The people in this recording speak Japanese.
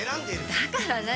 だから何？